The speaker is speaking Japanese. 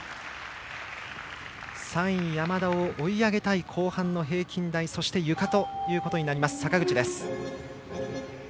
３位山田を追い上げたい後半の平均台そしてゆかということになります坂口です。